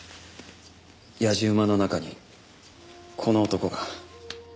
やじ馬の中にこの男が。